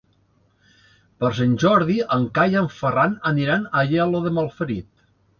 Per Sant Jordi en Cai i en Ferran aniran a Aielo de Malferit.